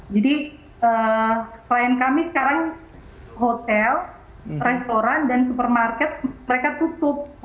jadi klien kami sekarang hotel restoran dan supermarket mereka tutup